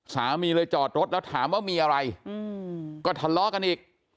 สามีเลยจอดรถแล้วถามว่ามีอะไรก็ทะเลาะกันอีก